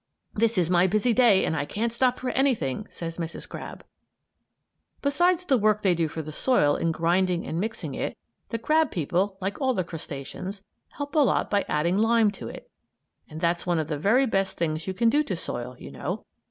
"This is my busy day and I can't stop for anything," says Mrs. Crab. Besides the work they do for the soil in grinding and mixing it, the crab people, like all the crustaceans, help a lot by adding lime to it, and that's one of the very best things you can do to soil, you know.